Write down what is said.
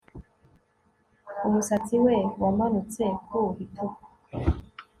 Umusatsi we wamanutse ku bitugu